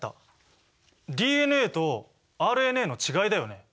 ＤＮＡとＲＮＡの違いだよね。